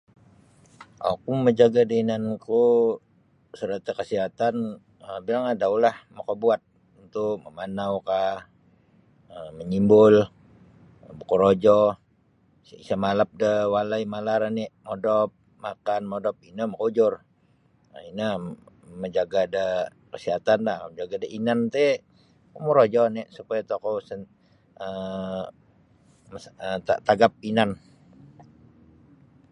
Oku mamajaga' da inanku sarata' kasihatan um bilang adaulah makabuat cuntuh mamanaukah um manyimbul bokorojo isa malap da walai malar oni' odop makan modop ino makaujur um ino mamajaga' da kasihatanlah mamajaga' da inan ti kumorojo oni' supaya tokou ta tagap inan.